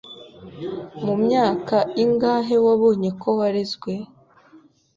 Mumyaka ingahe wabonye ko warezwe?